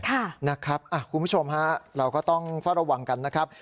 คุณผู้ชมฮะเราก็ต้องเฝ้าระวังกันนะครับ